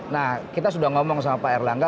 nah kita sudah ngomong sama pak erlangga